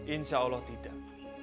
insya allah tidak